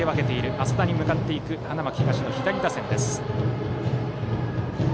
淺田に向かっていく花巻東の左打線です。